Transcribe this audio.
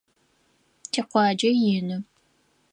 Тикъуаджэ ины.